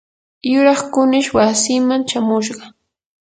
yuraq kunish wasiiman chamushqa.